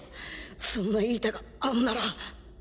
そんないい手があんなら。